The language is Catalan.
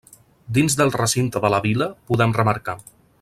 Dins del recinte de la Vila podem remarcar.